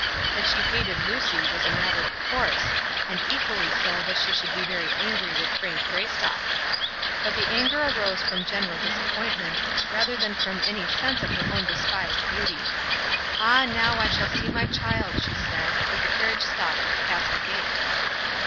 That she hated Lucy was a matter of course; and equally so that she should be very angry with Frank Greystock. But the anger arose from general disappointment, rather than from any sense of her own despised beauty. "Ah, now I shall see my child," she said, as the carriage stopped at the castle gate.